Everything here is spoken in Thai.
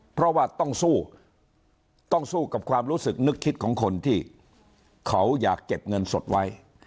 เพราะว่าต้องสู้ต้องสู้กับความรู้สึกนึกคิดของคนที่เขาอยากเก็บเงินสดไว้